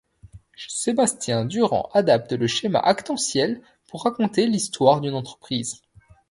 Sébastien Durand adapte le schéma actantiel pour raconter l’histoire d'une entreprise.